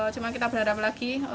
cuma kita berharap lagi